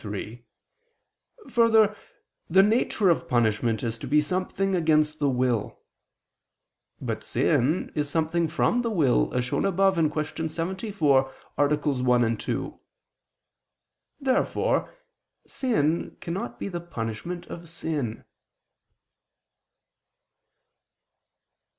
3: Further, the nature of punishment is to be something against the will. But sin is something from the will, as shown above (Q. 74, AA. 1, 2). Therefore sin cannot be the punishment of sin.